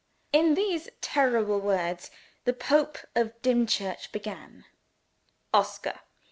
In these terrible words the Pope of Dimchurch began: "Oscar!